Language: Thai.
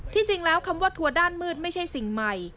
จริงแล้วคำว่าทัวร์ด้านมืดไม่ใช่สิ่งใหม่